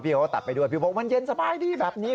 เขาก็ตัดไปด้วยพี่บอกมันเย็นสบายดีแบบนี้